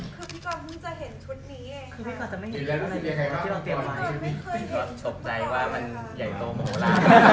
คือพี่กอลเพิ่งจะเห็นชุดนี้เองค่ะ